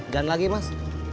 jalan lagi mas